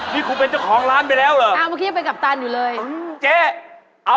นี่คุณเป็นเจ้าของร้านไปแล้วหรือ